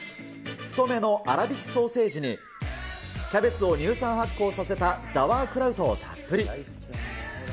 太めの粗びきソーセージに、キャベツを乳酸発酵させたザワークラウトをたっぷり。